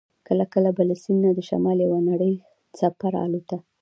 کله کله به له سیند نه د شمال یوه نرۍ څپه را الوته.